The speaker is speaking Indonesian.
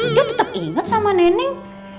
dia tetap ingat sama nenek